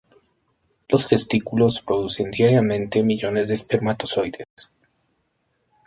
Los testículos producen diariamente millones de espermatozoides.